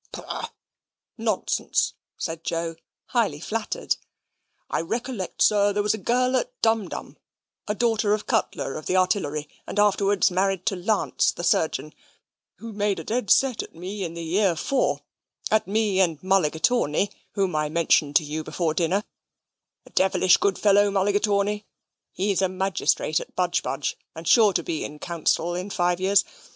"Pooh! nonsense!" said Joe, highly flattered. "I recollect, sir, there was a girl at Dumdum, a daughter of Cutler of the Artillery, and afterwards married to Lance, the surgeon, who made a dead set at me in the year '4 at me and Mulligatawney, whom I mentioned to you before dinner a devilish good fellow Mulligatawney he's a magistrate at Budgebudge, and sure to be in council in five years.